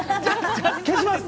消します！